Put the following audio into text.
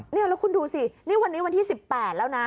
นี่แล้วคุณดูสินี่วันนี้วันที่๑๘แล้วนะ